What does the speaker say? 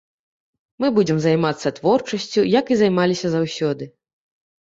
Мы будзем займацца творчасцю, як і займаліся заўсёды.